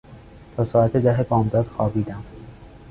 تا ساعت ده بامداد خوابیدم.